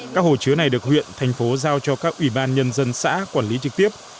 các hồ chứa này được huyện thành phố giao cho các ủy ban nhân dân xã quản lý trực tiếp